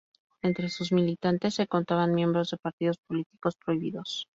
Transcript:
Entre sus militantes se contaban miembros de partidos políticos prohibidos.